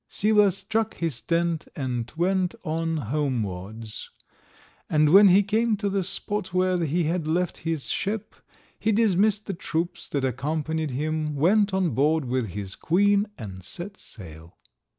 Sila struck his tent and went on homewards, and when he came to the spot where he had left his ship, he dismissed the troops that accompanied him, went on board with his queen, and set sail.